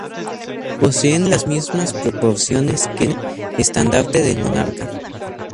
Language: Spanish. Poseen las mismas proporciones que el estandarte del monarca.